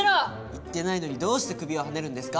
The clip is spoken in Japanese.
言ってないのにどうして首をはねるんですか？